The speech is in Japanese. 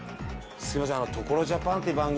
すいません。